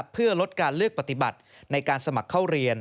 เพื่อลดการเลือกปฏิบัติในการสมัครเข้าเรียน